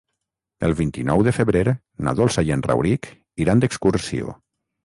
El vint-i-nou de febrer na Dolça i en Rauric iran d'excursió.